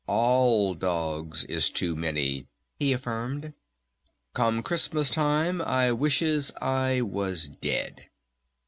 "All dogs is too many," he affirmed. "Come Christmas time I wishes I was dead."